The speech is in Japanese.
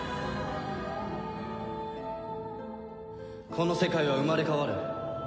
この世界は生まれ変わる。